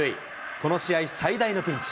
この試合最大のピンチ。